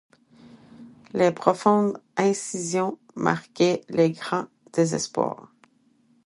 Les profondes incisions marquaient les grands désespoirs.